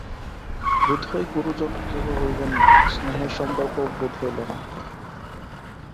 বোধ হয় গুরুজন কেহ হইবেন না, স্নেহের সম্পর্কও বোধ হইল না।